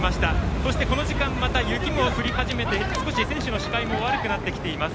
そして、この時間雪も降り始めて少し選手の視界も悪くなってきています。